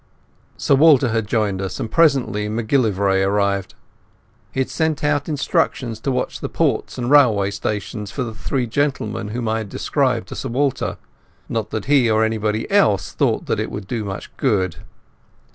Sir Walter had joined us, and presently MacGillivray arrived. He had sent out instructions to watch the ports and railway stations for the three men whom I had described to Sir Walter. Not that he or anybody else thought that that would do much good.